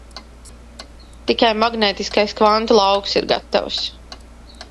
Tikai magnētiskais kvantu lauks ir gatavs.